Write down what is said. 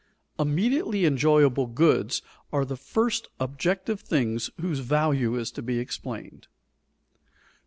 _Immediately enjoyable goods are the first objective things whose value is to be explained.